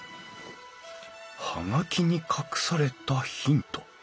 葉書に隠されたヒント。